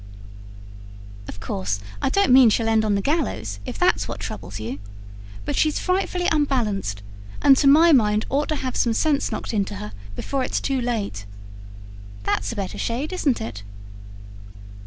"Of course, I don't mean she'll end on the gallows, if that's what troubles you. But she's frightfully unbalanced, and, to my mind, ought to have some sense knocked into her before it's too late. That's a better shade, isn't it?"